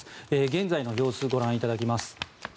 現在の様子をご覧いただきます。